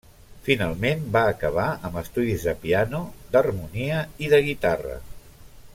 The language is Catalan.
Finalment, va acabar amb estudis de piano, d'harmonia i de guitarra.